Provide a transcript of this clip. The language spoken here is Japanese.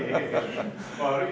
悪い。